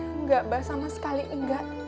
enggak mbak sama sekali enggak